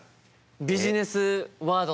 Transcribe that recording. ビジネスワードって。